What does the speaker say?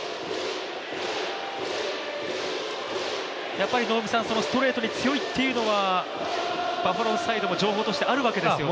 やっぱりストレートに強いというのはバファローズサイドも情報としてあるわけですよね。